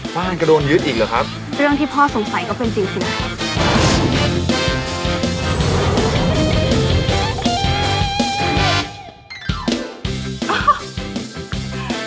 บ้านก็โดนยึดอีกเหรอครับเรื่องที่พ่อสงสัยก็เป็นสี่สิบครับ